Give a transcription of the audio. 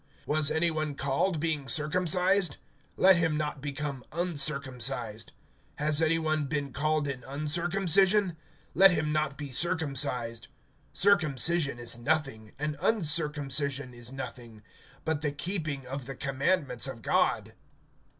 (18)Was any one called being circumcised? Let him not become uncircumcised. Has any one been called in uncircumcision? Let him not be circumcised. (19)Circumcision is nothing, and uncircumcision is nothing; but the keeping of the commandments of God.